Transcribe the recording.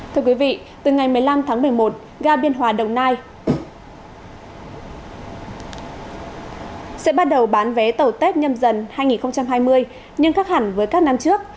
thưa quý vị từ ngày một mươi năm tháng một mươi một ga biên hòa đồng nai sẽ bắt đầu bán vé tàu tết nhâm dần hai nghìn hai mươi nhưng khác hẳn với các năm trước